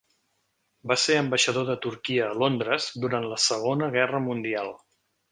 Va ser ambaixador de Turquia a Londres durant la Segona Guerra Mundial.